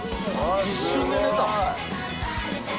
一瞬で寝た！